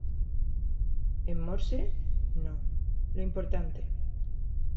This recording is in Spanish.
en morse ? no . lo importante